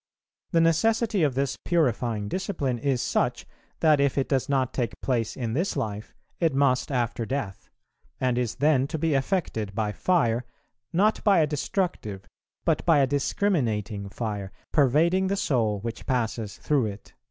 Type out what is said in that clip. ... The necessity of this purifying discipline is such, that if it does not take place in this life, it must after death, and is then to be effected by fire, not by a destructive, but a discriminating fire, pervading the soul which passes through it."